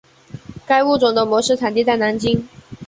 该物种的模式产地在南京。